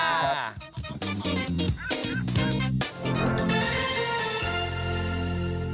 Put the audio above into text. สวัสดีค่ะ